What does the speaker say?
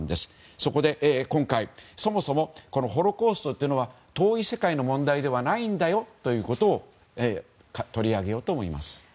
そこで、今回そもそもホロコーストというのは遠い世界の問題ではないんだよということを取り上げようと思います。